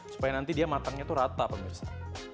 supaya nanti dia matangnya itu rata pemirsa